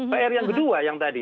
pr yang kedua yang tadi